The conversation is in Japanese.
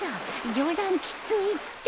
冗談きついって。